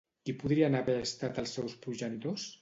Qui podrien haver estat els seus progenitors?